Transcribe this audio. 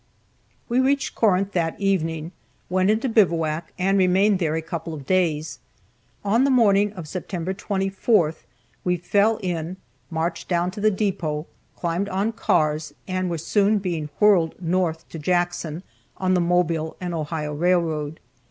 We reached Corinth that evening, went into bivouac, and remained there a couple of days. On the morning of September 24th we fell in, marched down to the depot, climbed on cars, and were soon being whirled north to Jackson, on the Mobile and Ohio railroad.